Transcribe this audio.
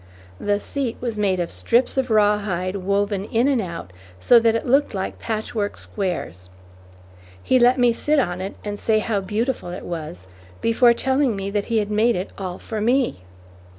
The seat was made of strips of rawhide woven in and out so that it looked like patchwork squares. He let me sit on it and say how beautiful it was, before telling me that he had made it all for me.